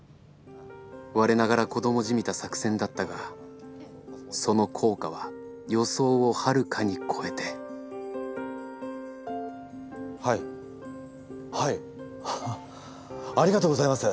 我ながら子どもじみた作戦だったがその効果は予想をはるかに超えてはいはい。ありがとうございます！